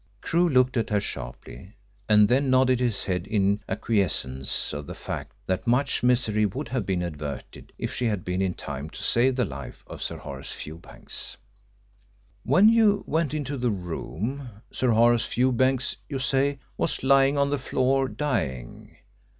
Crewe looked at her sharply, and then nodded his head in acquiescence of the fact that much misery would have been averted if she had been in time to save the life of Sir Horace Fewbanks. "When you went into the room, Sir Horace Fewbanks, you say, was lying on the floor, dying.